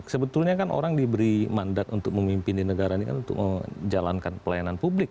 sebetulnya kan orang diberi mandat untuk memimpin di negara ini kan untuk menjalankan pelayanan publik